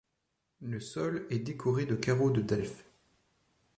Le sol est décoré de carreaux de Delft.